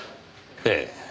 ええ。